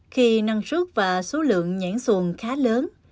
khi năng suất và số lượng nhãn xuồng khá lớn